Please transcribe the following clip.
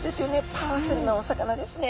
パワフルなお魚ですね。